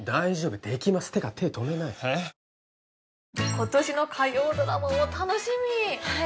今年の火曜ドラマも楽しみはい